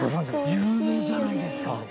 有名じゃないですか。